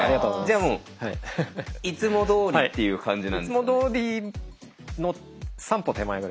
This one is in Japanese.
じゃもういつもどおりっていう感じ？